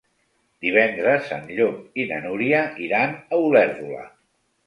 Divendres en Llop i na Núria iran a Olèrdola.